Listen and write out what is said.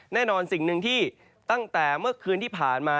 แน่นอนสิ่งหนึ่งที่ตั้งแต่เมื่อคืนที่ผ่านมา